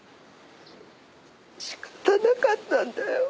仕方なかったんだよ。